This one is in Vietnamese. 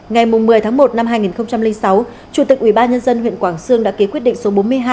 ngày một mươi tháng một năm hai nghìn sáu chủ tịch ủy ban nhân dân huyện quảng sương đã kế quyết định số bốn mươi hai